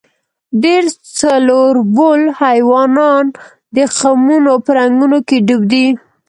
ډېر څلوربول حیوانان د خمونو په رنګونو کې ډوب دي.